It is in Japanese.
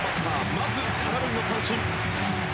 まず空振りの三振。